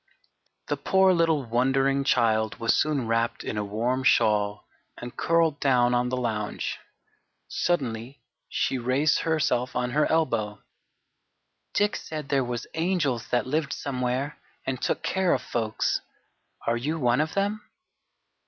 The poor little, wondering child was soon wrapped in a warm shawl and curled down on the lounge. Suddenly she raised herself on her elbow: "Dick said there was angels that lived somewhere and took care of folks. Are you one of them?"